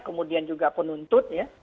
kemudian juga penuntut ya